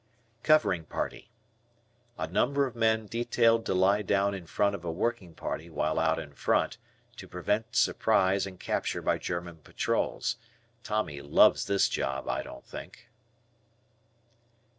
Covering Party. A number of men detailed to lie down in front of a working party while "out in front" to prevent surprise and capture by German patrols. Tommy loves this job, I don't think!